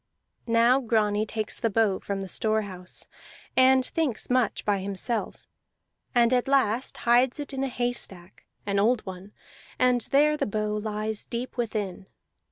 Now Grani takes the bow from the store house, and thinks much by himself, and at last hides it in a haystack, an old one; and there the bow lies deep within.